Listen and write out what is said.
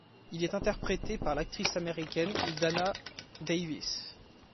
Il est interprété par l'actrice américaine Dana Davis.